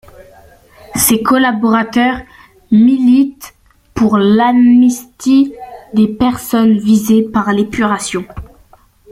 Ses collaborateurs militent pour l'amnistie des personnes visées par l'Épuration.